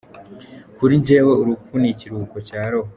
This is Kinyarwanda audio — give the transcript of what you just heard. Kuri jyewe urupfu ni ikiruhuko cya roho.